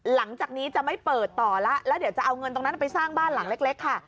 หลังจากนี้จะไม่เปิดต่อแล้วแล้วเดี๋ยวจะเอาเงินตรงนั้นไปสร้างบ้านหลังเล็กค่ะ